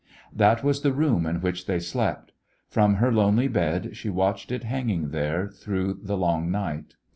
That was the room in which they slept. From her lonely bed she watched it hanging there through the long night.